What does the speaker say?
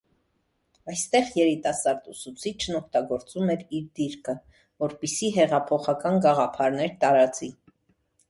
Այստեղ երիտասարդ ուսուցիչն օգտագործում էր իր դիրքը, որպեսզի հեղափոխական գաղափարներ տարածի։